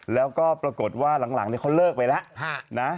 แล้วก็ปรากฏว่าหลังเขาเลิกไปแล้วนะ